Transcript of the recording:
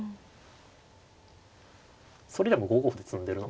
それでも５五歩って詰んでるな。